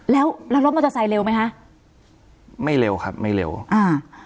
แล้วแล้วรถมอเตอร์ไซค์เร็วไหมคะไม่เร็วครับไม่เร็วอ่า